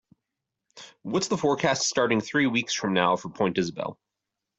what is the forecast starting three weeks from now for Point Isabel